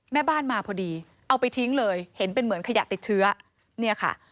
แม่บ้านมาพอดีเอาไปทิ้งเลยเห็นเหมือนขยะติดเชื้อ